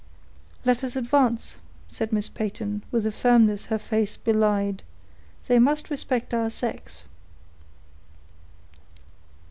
"Let us advance," said Miss Peyton, with a firmness her face belied; "they must respect our sex."